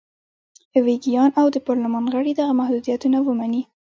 ویګیان او د پارلمان غړي دغه محدودیتونه ومني.